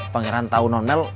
pangeran tau non mel